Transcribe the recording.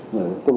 người có công